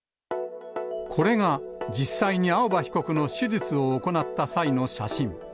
これが、実際に青葉被告の手術を行った際の写真。